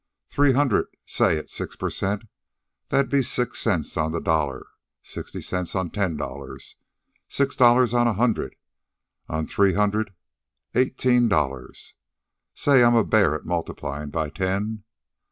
"Three hundred, say at six per cent. that'd be six cents on the dollar, sixty cents on ten dollars, six dollars on the hundred, on three hundred eighteen dollars. Say I'm a bear at multiplyin' by ten.